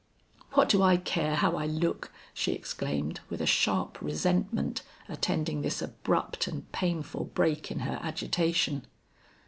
"What do I care how I look!" she exclaimed, with a sharp resentment attending this abrupt and painful break in her agitation.